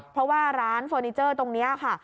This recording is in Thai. เพราะว่าร้านเฟอร์นิเจอร์ตรงนี้ค่ะ